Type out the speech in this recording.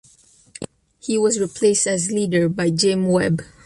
He was replaced as leader by Jim Webb.